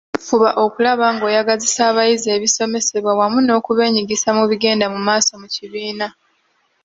Fuba okulaba ng'oyagazisa abayizi ebisomesebwa wamu n’okubeenyigisa mu bigenda mu maaso mu kibiina.